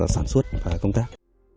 sản xuất và công tác